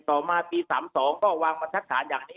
ต่อมาปี๓ก็วงบทธิปฏิบัติ